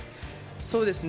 そうですね。